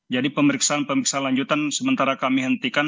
jadi pemeriksaan pemeriksaan lanjutan sementara kami hentikan